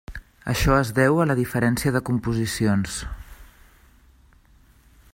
Això es deu a la diferència de composicions.